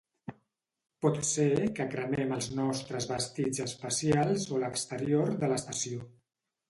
Pot ser que cremem els nostres vestits espacials o l'exterior de l'estació.